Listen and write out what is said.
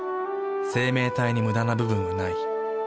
生命体にムダな部分はない。